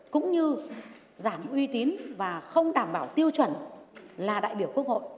cũng như giảm uy tín và không đảm bảo tiêu chuẩn là đại biểu quốc hội